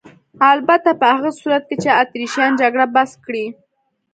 البته په هغه صورت کې چې اتریشیان جګړه بس کړي.